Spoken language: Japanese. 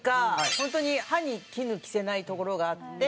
本当に歯に衣着せないところがあって。